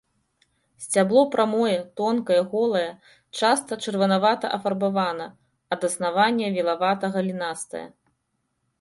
Сцябло прамое, тонкае, голае, часта чырванавата-афарбавана, ад аснавання вілавата-галінастае.